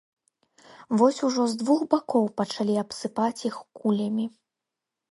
Вось ужо з двух бакоў пачалі абсыпаць іх кулямі.